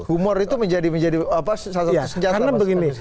humor itu menjadi menjadi apa salah satu senjata pak jokowi